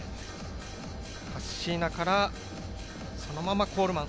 カッシーナから、そのままコールマン。